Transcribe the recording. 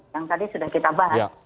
yang tadi sudah kita bahas